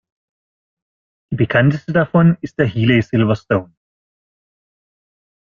Die bekannteste davon ist der Healey Silverstone.